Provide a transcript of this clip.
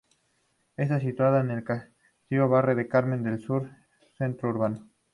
Está situada en el castizo barrio del Carmen al sur del centro urbano.